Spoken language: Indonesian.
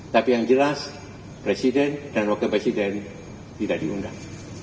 tapi yang jelas presiden dan wakil presiden tidak diundang